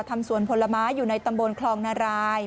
ทำสวนผลไม้อยู่ในตำบลคลองนาราย